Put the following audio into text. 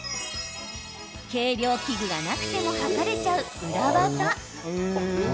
計量器具がなくてもはかれちゃう裏技。